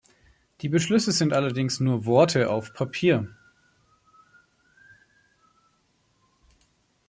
Die Beschlüsse sind allerdings nur Worte auf Papier.